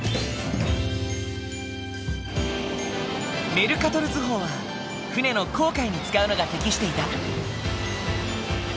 メルカトル図法は船の航海に使うのが適していた。